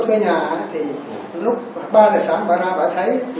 bà chủ trong cơ nhà ấy lúc ba giờ sáng bà ra bà thấy